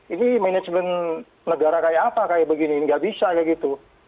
ini manajemen negara kayak apa kayak begini nggak bisa kayak gitu